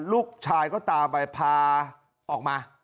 ลูกชายก็ตามไปพาออกมา